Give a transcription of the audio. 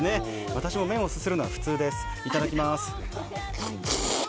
私も麺をすするのは普通ですいただきます。